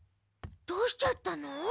どうしちゃったの？